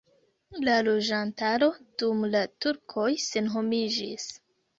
La loĝantaro dum la turkoj senhomiĝis.